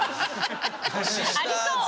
ありそう。